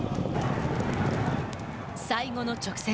最後の直線。